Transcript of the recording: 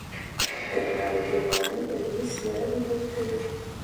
د ټکنالوژۍ موانع علمي څېړنې لرې کوي.